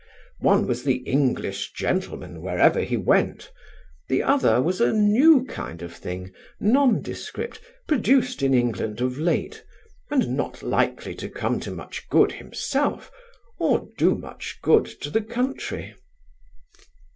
One was the English gentleman wherever he went; the other was a new kind of thing, nondescript, produced in England of late, and not likely to come to much good himself, or do much good to the country.